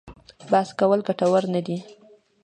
بحث کول ګټور نه دي.